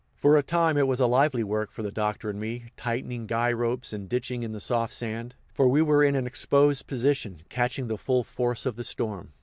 For a time it was lively work for the Doctor and me, tightening guy ropes and ditching in the soft sand, for we were in an exposed position, catching the full force of the storm.